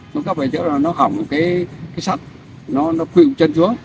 xuân cấp ở chỗ là nó hỏng cái sắt nó quỵ chân xuống